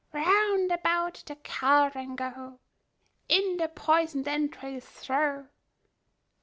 Round about the cauldron go; In the poison'd entrails throw.